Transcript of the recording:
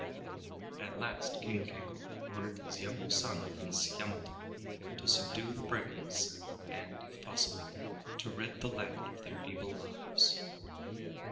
At last King Keiko ordered his younger son Prince Yamato to subdue the brigands and, if possible, to rid the land of their evil lives.